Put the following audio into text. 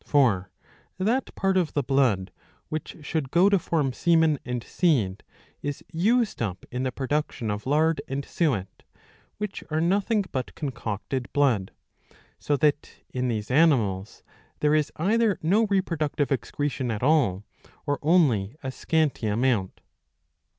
For that part of the blood which should go to form semen and seed, is used up in the production of lard and suet, which are nothing but concocted blood ; so that in these animals there is either no reproductive excretion at all, or only a scanty amount.